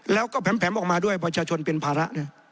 แล้วก็แผ่มออกมาด้วยประชาชนเป็นภาระนะ